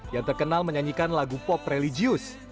yang terkenal menyanyikan lagu pop religius